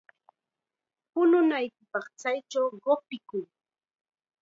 Puñunaykipaq kaychaw qupikuy.